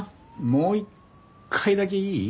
もう一回だけいい？